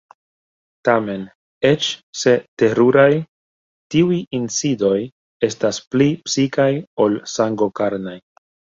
Tamen eĉ se teruraj, tiuj insidoj estas pli psikaj ol sango-karnaj.